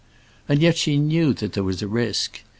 And yet she knew that there was a risk.